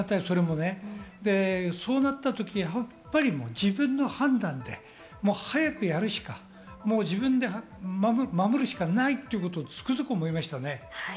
そうなった時にやっぱり自分の判断で早くやるしか自分で守るしかないということをつくづく思いました。